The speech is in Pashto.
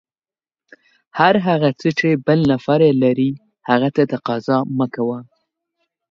هر هغه څه چې بل نفر یې لري، هغه ته تقاضا مه کوه.